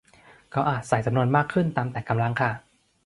ก็อาจใส่จำนวนมากขึ้นตามแต่กำลังค่ะ